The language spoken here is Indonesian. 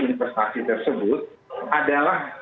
investasi tersebut adalah